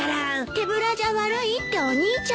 手ぶらじゃ悪いってお兄ちゃんが。